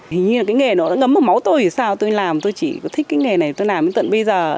hình như là cái nghề đó đã ngấm một máu tôi thì sao tôi làm tôi chỉ thích cái nghề này tôi làm đến tận bây giờ